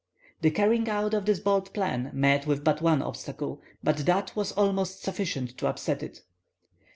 The carrying out of this bold plan met with but one obstacle, but that was almost sufficient to upset it.